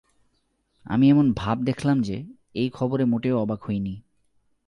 আমি এমন ভাব দেখলাম যে, এই খবরে মোটেও অবাক হই নি।